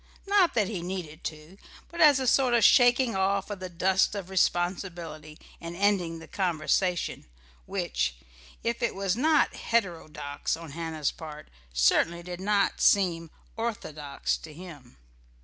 Not that he needed to: but as a sort of shaking off of the dust of responsibility and ending the conversation, which, if it was not heterodox on Hannah's part, certainly did not seem orthodox to him....